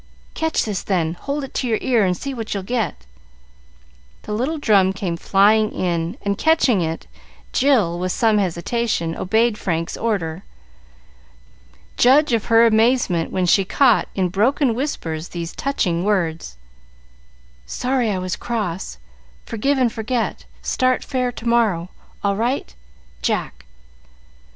"Catch this, then. Hold it to your ear and see what you'll get." The little drum came flying in, and, catching it, Jill, with some hesitation, obeyed Frank's order. Judge of her amazement when she caught in broken whispers these touching words: "Sorry I was cross. Forgive and forget. Start fair to morrow. All right. Jack."